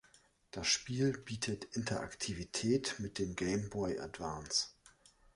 Das Spiel bietet Interaktivität mit dem Game Boy Advance.